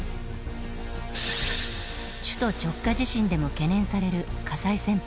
首都直下地震でも懸念される火災旋風。